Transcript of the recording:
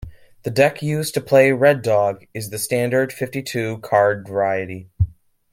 The deck used to play red dog is the standard, fifty-two-card variety.